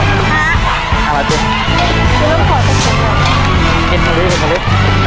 ติดคาติกเกอร์ด้วยนะครับแย่งแก้กันไปเลยนะฮะ